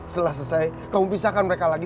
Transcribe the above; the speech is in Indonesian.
setelah selesai kamu pisahkan mereka lagi